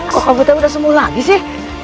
kok kamu tahu udah semua lagi sih